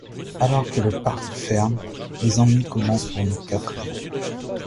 Alors que le parc ferme, les ennuis commencent pour nos quatre héros.